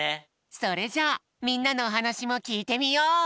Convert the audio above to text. それじゃあみんなのおはなしもきいてみよう！